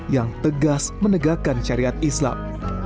yang tegas menegakkan syariat islam